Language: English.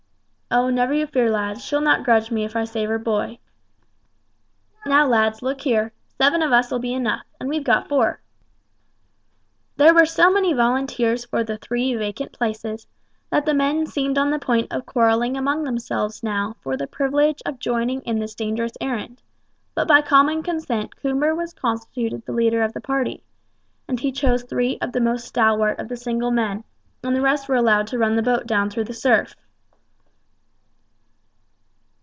"Oh, never you fear, lads; she'll not grudge me if I save her boy. Now, lads, look here; seven of us'll be enough, and we've got four." There were so many volunteers for the three vacant places, that the men seemed on the point of quarrelling among themselves now for the privilege of joining in this dangerous errand; but by common consent Coomber was constituted the leader of the party, and he chose three of the most stalwart of the single men, and the rest were allowed to run the boat down through the surf.